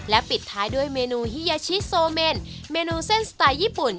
ปิดท้ายด้วยเมนูฮิยาชิโซเมนเมนูเส้นสไตล์ญี่ปุ่น